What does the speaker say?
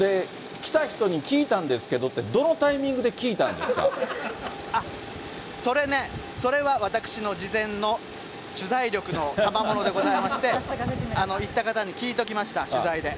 来た人に聞いたんですけどって、どのタイミングで聞いたんでそれね、それは私の事前の取材力のたまものでございまして、行った方に聞いときました、取材で。